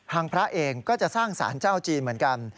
พระเองก็จะสร้างสารเจ้าจีนเหมือนกัน